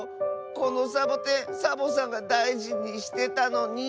このサボテンサボさんがだいじにしてたのに。